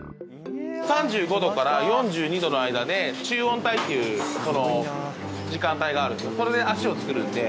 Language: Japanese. ３５度から４２度の間で中温帯っていう時間帯があるんですけどそれでアシを作るので。